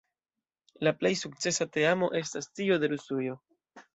La plej sukcesa teamo estas tio de Rusujo.